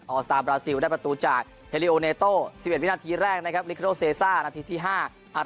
ออสตาร์บราซิลได้ประตูจากเฮลีโอเนโต้สิบเอ็ดวินาทีแรกนะครับนัดที่ที่ห้า